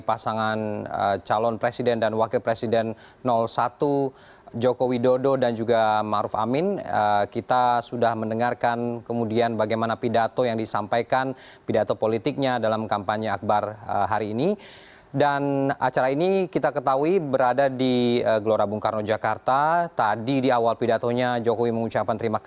assalamualaikum warahmatullahi wabarakatuh